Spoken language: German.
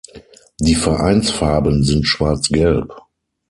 Die Vereinsfarben sind Schwarz-Gelb.